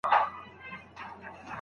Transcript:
آیا باد تر ورېځي چټک ځي؟